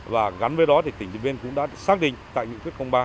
và gắn với đó thì tỉnh điện biên cũng đã xác định tại nguyễn thuết ba